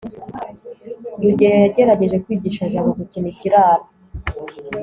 rugeyo yagerageje kwigisha jabo gukina ikiraro